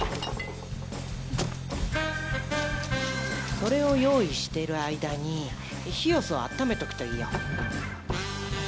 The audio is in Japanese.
それを用意してる間にヒヨスをあっためとくといいよ。